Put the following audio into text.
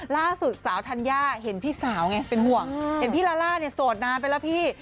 ล่าสุดสาวธัญญาเห็นพี่สาวไงเป็นห่วงเห็นพี่ลาล่าเนี่ยโสดนานไปแล้วพี่